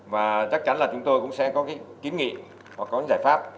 và chắc chắn là chúng tôi cũng sẽ có kiếm nghị hoặc có giải pháp